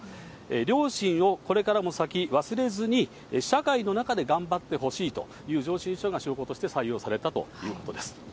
両親を、これからも先、忘れずに社会の中で頑張ってほしいという上申書が、証拠として採用されたということです。